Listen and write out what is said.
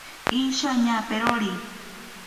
Isha ñaperori.